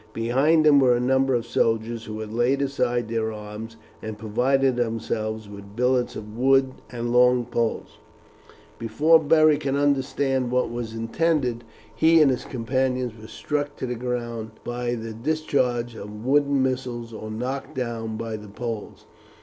Behind him were a number of soldiers, who had laid aside their arms and provided themselves with billets of wood and long poles. Before Beric could understand what was intended, he and his companions were struck to the ground by the discharge of the wooden missiles or knocked down by the poles.